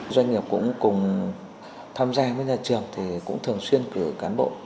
doanh nghiệp cũng cùng tham gia với nhà trường thì cũng thường xuyên cử cán bộ